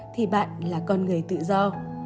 thì bạn là con người tự do